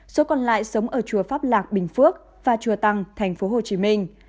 số còn lại sống ở chùa pháp lạc bình phước và chùa tăng thành phố hồ chí minh